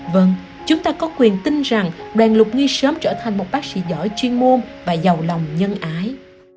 vâng chúng ta có quyền tin rằng đoàn lục nghi sớm trở thành một bác sĩ giỏi chuyên môn và giàu lòng nhân ái